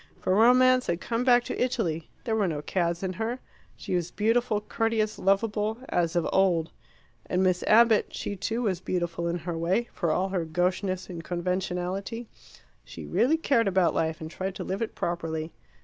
For romance had come back to Italy; there were no cads in her; she was beautiful, courteous, lovable, as of old. And Miss Abbott she, too, was beautiful in her way, for all her gaucheness and conventionality. She really cared about life, and tried to live it properly.